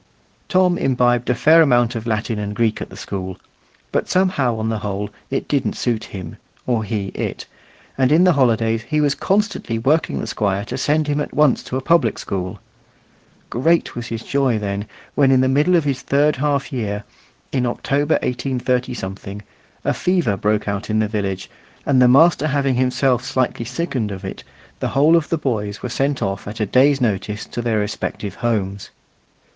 Tom imbibed a fair amount of Latin and Greek at the school, but somehow, on the whole, it didn't suit him, or he it, and in the holidays he was constantly working the Squire to send him at once to a public school. Great was his joy then, when in the middle of his third half year, in October 183 , a fever broke out in the village, and the master having himself slightly sickened of it, the whole of the boys were sent off at a day's notice to their respective homes.